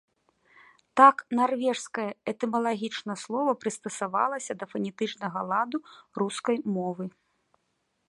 Так, нарвежскае этымалагічна слова прыстасавалася да фанетычнага ладу рускай мовы.